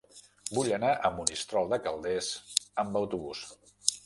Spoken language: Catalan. Vull anar a Monistrol de Calders amb autobús.